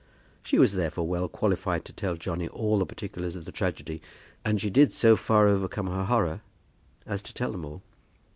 She was therefore well qualified to tell Johnny all the particulars of the tragedy, and she did so far overcome her horror as to tell them all.